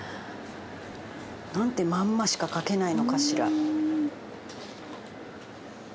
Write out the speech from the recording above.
なんでまんましか書けないのかしら？